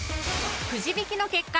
［くじ引きの結果